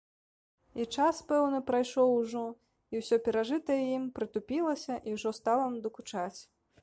І час пэўны прайшоў ужо, і ўсё перажытае ім прытупілася і ўжо стала надакучаць.